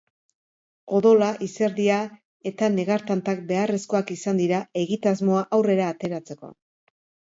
Odola, izerdia eta negar-tantak beharrezkoak izan dira egitasmoa aurrera ateratzeko.